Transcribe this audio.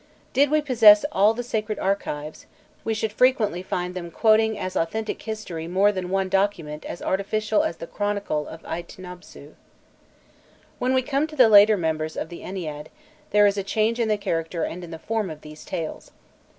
Did we possess all the sacred archives, we should frequently find them quoting as authentic history more than one document as artificial as the chronicle of Aît nobsû. When we come to the later members of the Ennead, there is a change in the character and in the form of these tales.